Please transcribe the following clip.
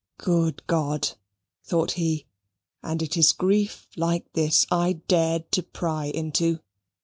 "Good God," thought he, "and is it grief like this I dared to pry into?"